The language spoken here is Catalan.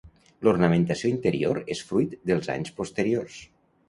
L'ornamentació interior és fruit dels anys posteriors.